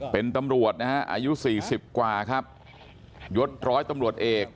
เป็นตำรวจอายุ๔๐กว่ายดร้อยตำรวจเอก